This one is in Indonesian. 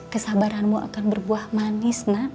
kesabaranmu akan berbuah manis nak